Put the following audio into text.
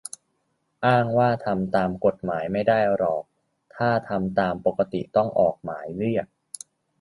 อ้างว่าทำตามกฎหมายไม่ได้หรอก ถ้าทำตามปกติต้องออกหมายเรียก